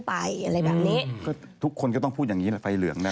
พี่หนิงมาบ่อยนะคะชอบเห็นมั้ยดูมีสาระหน่อย